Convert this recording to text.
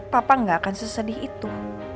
papa gak akan sesedih itu